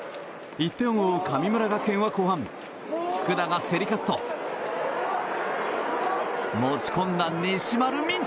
１点を追う神村学園は後半福田が競り勝つと持ち込んだ、西丸道人！